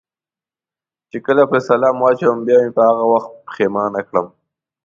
چې کله پرې سلام واچوم بیا مې په هغه سلام پښېمانه کړم.